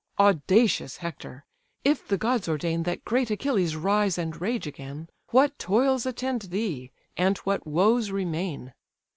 Audacious Hector, if the gods ordain That great Achilles rise and rage again, What toils attend thee, and what woes remain!